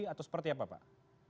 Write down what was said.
atau seperti apa pak